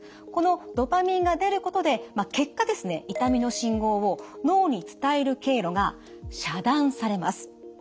このドパミンが出ることで結果痛みの信号を脳に伝える経路が遮断されます。